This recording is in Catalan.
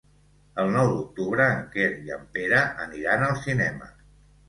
El nou d'octubre en Quer i en Pere aniran al cinema.